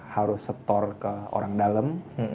harus store ke orang dalem